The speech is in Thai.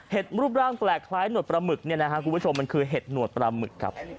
เห็ดรูปร่างแกลกคล้ายหนวดประหมึกนี่คุณผู้ชมมันคือเห็ดหนวดประหมึกครับ